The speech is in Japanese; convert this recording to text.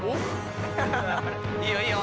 いいよいいよ。